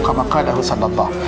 saya akan mencari jalan